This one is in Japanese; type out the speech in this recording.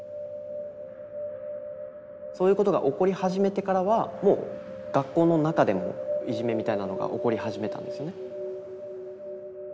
そういうことが起こり始めてからはもう学校の中でもいじめみたいなのが起こり始めたんですよね。